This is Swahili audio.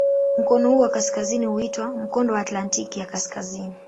Mkono huu wa kaskazini huitwa "Mkondo wa Atlantiki ya Kaskazini".